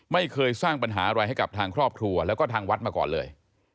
ไม่เคยสร้างปัญหาอะไรให้กับทางครอบครัวแล้วก็ทางวัดมาก่อนเลย